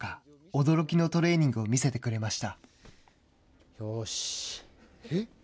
驚きのトレーニングを見せてくれました。